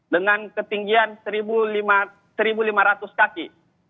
dengan ketinggian seribu lima ratus kaki